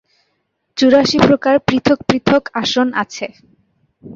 চুরাশি প্রকার পৃথক পৃথক আসন আছে।